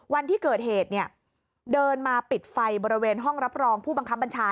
วันที่เกิดเหตุเนี่ยเดินมาปิดไฟบริเวณห้องรับรองผู้บังคับบัญชา